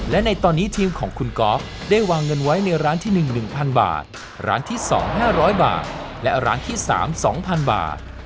และในตอนนี้ทีมของคุณก๊อฟได้วางเงินไว้ในร้านที่๑๑๐๐บาทร้านที่๒๕๐๐บาทและร้านที่๓๒๐๐๐บาท